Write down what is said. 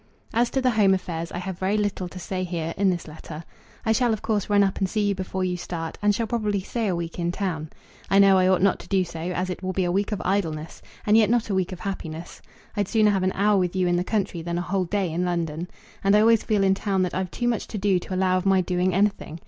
As to the home affairs I have very little to say here, in this letter. I shall of course run up and see you before you start, and shall probably stay a week in town. I know I ought not to do so, as it will be a week of idleness, and yet not a week of happiness. I'd sooner have an hour with you in the country than a whole day in London. And I always feel in town that I've too much to do to allow of my doing anything.